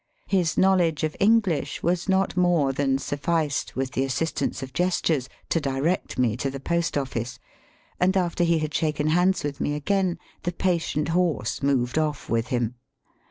His knowledge of EngUsh was not more than sufficed, with the assistance of gestures, to direct me to the post office, and affeer he had shaken hands with me again the patient horse moved off with him.